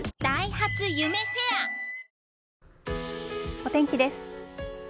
お天気です。